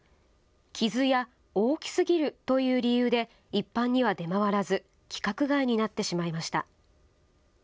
傷や大きすぎるという理由で一般には出回らず規格外になってしまいました。